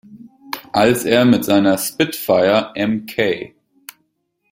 Als er mit seiner Spitfire Mk.